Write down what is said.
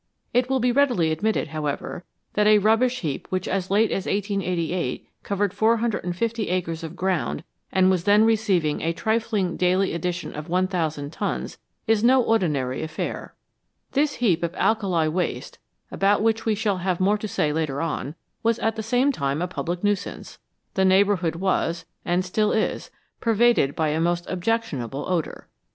It will be readily admitted, however, that a rubbish heap which as late as 1888 covered 450 acres of ground, and was then receiving a trifling daily addition of 1000 tons, is no ordinary affair. This heap of alkali waste, about which we shall have more to say later on, was at the same time a public nuisance ; the neighbourhood was, and still is, pervaded by a most objectionable odour.